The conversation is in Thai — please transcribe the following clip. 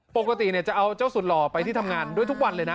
ปกติจะเอาเจ้าสุดหล่อไปที่ทำงานด้วยทุกวันเลยนะ